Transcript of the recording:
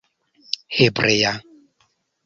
hebrea